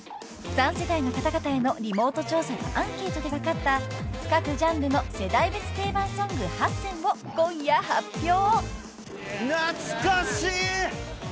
［３世代の方々へのリモート調査とアンケートで分かった各ジャンルの世代別定番ソング８選を今夜発表！］